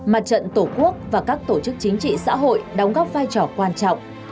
mặt trận tổ quốc và các tổ chức chính trị xã hội đóng góp vai trò quan trọng